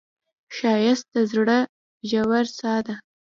ښایست د زړه ژور ساه ده